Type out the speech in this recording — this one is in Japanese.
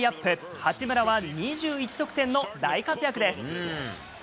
八村は２１得点の大活躍です。